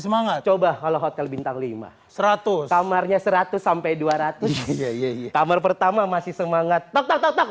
semangat coba kalau hotel bintang lima ribu seratus kamarnya seratus dua ratus iya iya iya pertama masih semangat tak